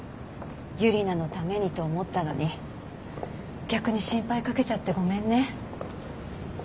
ユリナのためにと思ったのに逆に心配かけちゃってごめんね。